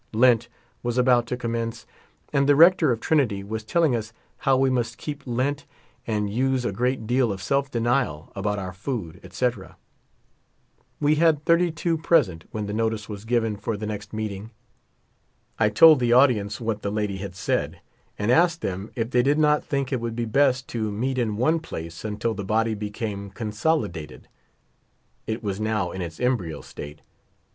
Lent was about to commence. And the rector of Trinity was telling us how we must keep lent and use a 21 Teat deal of self denial about our food, &c. We had iiirtv two present when the notice was given for the next neetinsc I told the audience what the lady had said, md asked them if they did not think it would be best to neet in one place until the body became consolidated, [t was now in its embryo state.